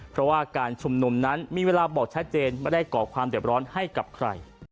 เพราะว่าการชุมนุมนั้นมีเวลาบอกชัดเจนไม่ได้ก่อความเด็บร้อนให้กับใคร